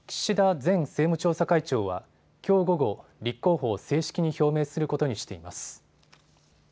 前政務調査会長はきょう午後、立候補を正式に表明することにしています。